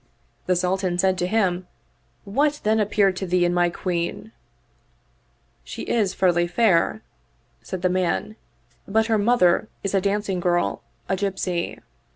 The Sultan said to him, " What then appeared to thee in my Queen ?"" She is ferly fair," said the man, " but her mother is a dancing girl, a gypsy."